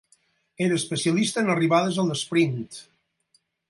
Era especialista en arribades a l'esprint.